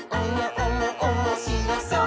おもしろそう！」